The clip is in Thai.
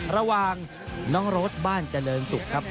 ระหว่างน้องรถบ้านเจริญศุกร์ครับ